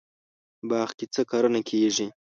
باغ کې څه کرنه کیږي؟